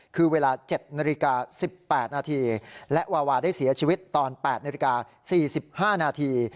คือเวลา๗นาฬิกา๑๘นาทีและวาวาได้เสียชีวิตตอน๘นาฬิกา๔๕นาที